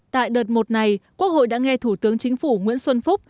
tại đợt một này quốc hội đã nghe thủ tướng chính phủ nguyễn xuân phúc